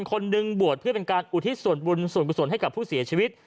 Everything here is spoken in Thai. คนหนึ่งบวชเพื่อเป็นการอุทิศส่วนบุญส่วนกุศลให้กับผู้เสียชีวิต